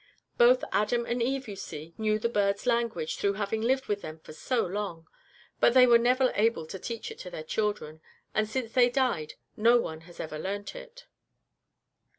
Both Adam and Eve, you see, knew the birds' language through having lived with them for so long. But they were never able to teach it to their children, and since they died no one has ever learnt it.